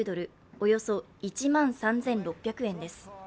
およそ１万３６００円です。